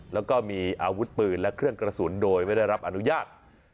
แล้วก็มีอาวุธปืนและเครื่องกระสุนโดยไม่ได้รับอนุญาต